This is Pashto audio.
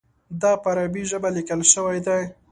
دا په عربي ژبه لیکل شوی دی.